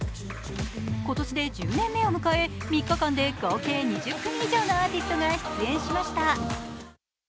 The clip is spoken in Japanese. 今年で１０年目を迎え３日間で合計２０組以上のアーティストが出演しました。